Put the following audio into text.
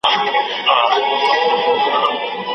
ږغ به خپور سو د ځنګله تر ټولو غاړو